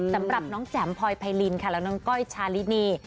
สำหรับน้องแจ๋มพลอยไพรินค่ะแล้วน้องก้อยชาลินี